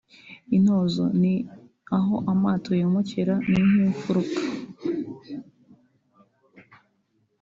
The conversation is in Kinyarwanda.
(intozo) Ni aho amato yomokera ni nk’imfuruka